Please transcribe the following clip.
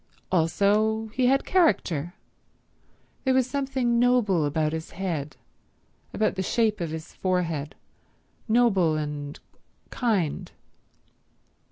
Also he had character; there was something noble about his head, about the shape of his forehead—noble and kind.